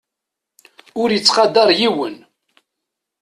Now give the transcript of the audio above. Ur ittqadar yiwen.